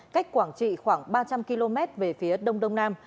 cách quảng trị khoảng ba trăm linh km về phía đông đông nam